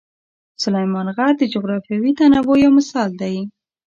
سلیمان غر د جغرافیوي تنوع یو مثال دی.